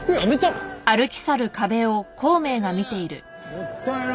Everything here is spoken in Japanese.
もったいな。